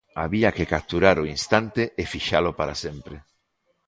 Había que capturar o instante e fixalo para sempre.